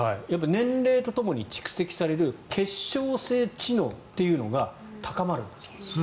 年齢とともに蓄積される結晶性知能というのが高まるんだそうです。